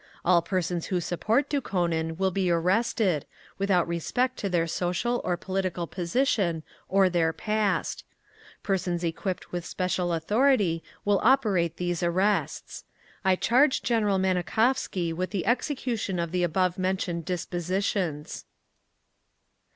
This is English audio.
All persons who support Dukhonin will be arrested, without respect to their social or political position or their past. Persons equipped with special authority will operate these arrests. I charge General Manikhovsky with the execution of the above mentioned dispositions…."